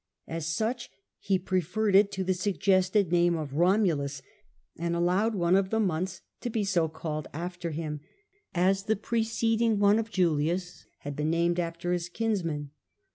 As such he Augustus, preferred it to the suggested name of Romulus, and allowed one of the months to be so called after him, as the preceding one of Julius had been named after his kinsman.